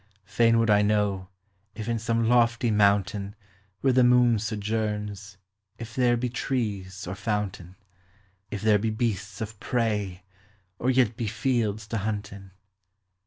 Fain would I know, if in some lofty mountain, Where the moon sojourns, if there be trees or fountain ; If there be beasts of prey, or yet be fields to hunt in.